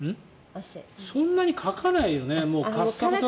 そんなにかかないよね。